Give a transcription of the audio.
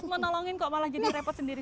niat mau nolongin kok malah jadi repot sendiri